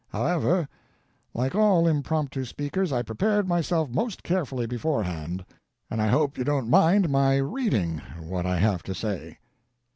However, like all impromptu speakers, I prepared myself most carefully beforehand, and I hope you don't mind my reading what I have to say.